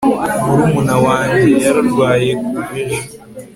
murumuna wanjye yararwaye kuva ejo